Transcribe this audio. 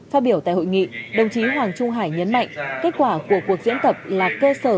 phát biểu tại hội nghị đồng chí hoàng trung hải nhấn mạnh kết quả của cuộc diễn tập là cơ sở